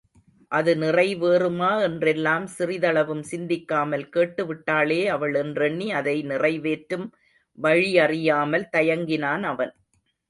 அது நிறைவேறுமா என்றெல்லாம் சிறிதளவும் சிந்திக்காமல் கேட்டு விட்டாளே அவள் என்றெண்ணி அதை நிறைவேற்றும் வழியறியாமல் தயங்கினான் அவன்.